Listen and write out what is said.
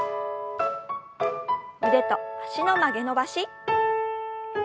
腕と脚の曲げ伸ばし。